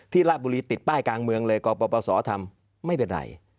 ที่ราบบุรีติดป้ายกลางเมืองเลยก็ประสอบทำไม่เป็นไร